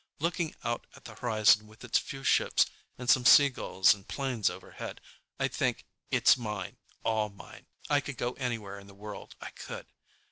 Looking out at the horizon with its few ships and some sea gulls and planes overhead, I think: It's mine, all mine. I could go anywhere in the world, I could.